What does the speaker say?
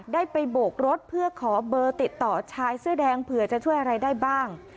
ได้ไปโบกรถเพื่อขอเบอร์ติดต่อชายเสื้อแดงเผื่อจะช่วยอะไรได้บ้าง